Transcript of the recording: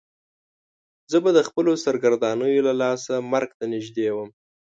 زه به د خپلو سرګردانیو له لاسه مرګ ته نږدې وم.